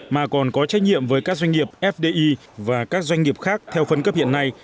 mà còn có trách nhiệm với các doanh nghiệp fdi và các doanh nghiệp khác theo phân cấp hiện nay